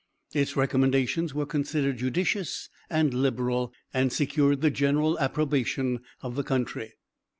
Its recommendations were considered judicious and liberal, and secured the general approbation of the country.